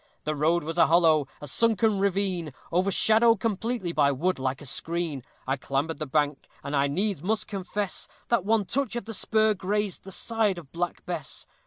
The road was a hollow, a sunken ravine, Overshadowed completely by wood like a screen; I clambered the bank, and I needs must confess, That one touch of the spur grazed the side of Black Bess.